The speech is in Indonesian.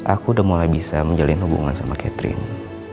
aku udah mulai bisa menjalin hubungan sama catherine